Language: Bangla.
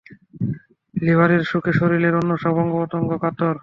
লিভারের শোকে শরীরের অন্যসব অঙ্গপ্রত্যঙ্গও কাতর।